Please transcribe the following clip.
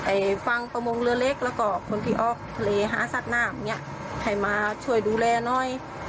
ฟังประมงเรือเล็กแล้วก็คนที่ออกทะเลหาสัตว์น้ำอย่างเงี้ยให้มาช่วยดูแลหน่อย